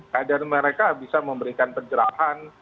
kadar mereka bisa memberikan pencerahan